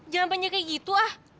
jangan banyak kayak gitu ah